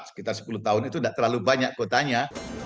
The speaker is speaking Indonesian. sekitar sepuluh tahun itu tidak terlalu banyak kotanya